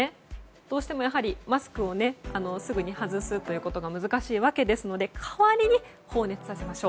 どうしてもマスクを、すぐに外すことが難しいわけですので代わりに放熱させましょう。